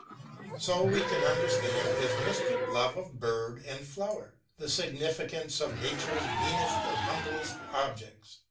So we can understand his mystic love of bird and flower, the significance of Nature's meanest and humblest objects.